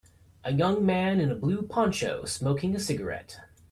A young man in a blue poncho smoking a cigarette.